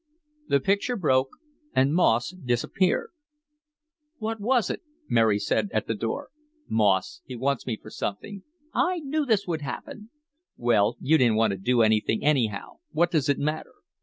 The picture broke and Moss disappeared. "What was it?" Mary said, at the door. "Moss. He wants me for something." "I knew this would happen." "Well, you didn't want to do anything, anyhow. What does it matter?"